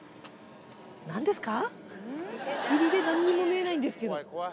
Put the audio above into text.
何ですか？